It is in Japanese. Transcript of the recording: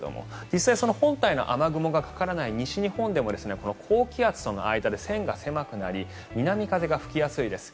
実際、本体の雨雲がかからない西日本でも高気圧との間で線が狭くなり南風が吹きやすいです。